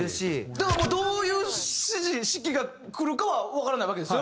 だからどういう指示指揮がくるかはわからないわけですよ